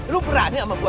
lu berani sama gua